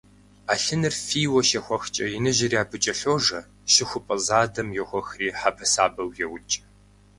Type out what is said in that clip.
Ӏэлъыныр фийуэ щехуэхкӀэ иныжьри абы кӀэлъожэ, щыхупӏэ задэм йохуэхри хьэбэсабэу еукӀ.